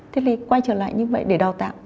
thế thì quay trở lại như vậy để đào tạo